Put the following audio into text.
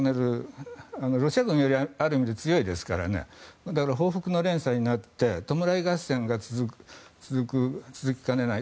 ロシア軍よりもある意味で強いですから報復の連鎖になって弔い合戦が続きかねない。